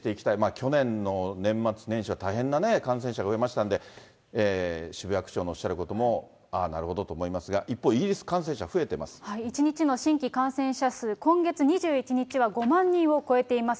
去年の年末年始は大変な感染者増えましたんで、渋谷区長のおっしゃることも、ああ、なるほどと思いますが、一方、１日の新規感染者数、今月２１日は５万人を超えています。